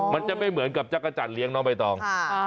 มันจะไม่เหมือนกับจักรจันทร์เลี้ยงน้องใบตอง